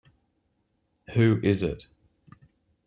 Who is it?